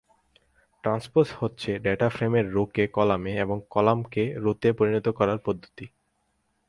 Transpose হচ্ছে ডেটাফ্রেমের রোকে কলামে এবং কলামকে রোতে পরিনত করার পদ্ধতি।